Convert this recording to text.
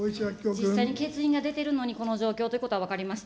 実際に欠員が出ているのに、この状況ということは分かりました。